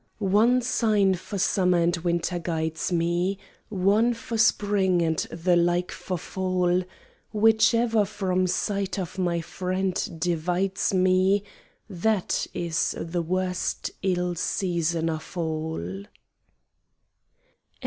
One sign for summer and winter guides me, One for spring, and the like for fall: Whichever from sight of my friend divides me, That is the worst ill season of all.